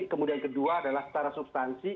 kemudian kedua adalah secara substansi